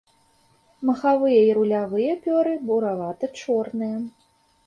Махавыя і рулявыя пёры буравата-чорныя.